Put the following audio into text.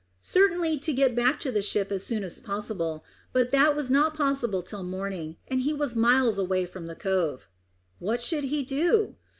Certainly to get back to the ship as soon as possible, but that was not possible till morning, and he was miles away from the cove. What should he do?